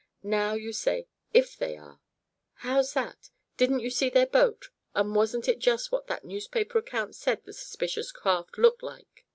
Now you say 'if they are.' How's that? Didn't you see their boat, and wasn't it just what that newspaper account said the suspicious craft looked like."